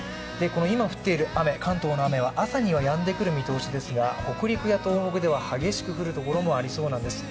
今降っている関東の雨は朝にはやんでいく見通しですが北陸や東北では激しく降るところもありそうなんです。